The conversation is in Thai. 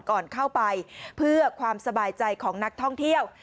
ก่อนเข้าไปเพื่อความสบายใจของนักท่องเที่ยว